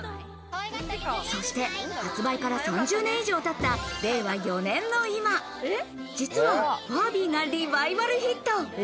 そして発売から３０年以上たった令和４年の今、実はファービーがリバイバルヒット。